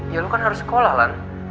ya lu kan harus sekolah kan